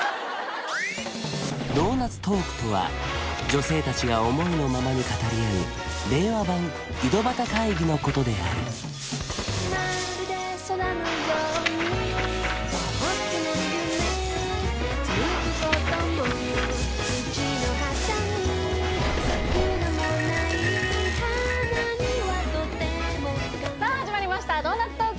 ドーナツトークとは女性達が思いのままに語り合う令和版井戸端会議のことであるさあ始まりました「ドーナツトーク」